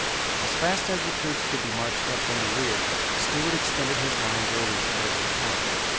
As fast as the troops could be marched up from the rear Stewart extended his lines over towards the pike.